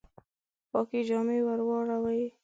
پاکي جامي وروړلي